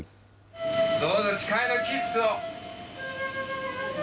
どうぞ誓いのキスを。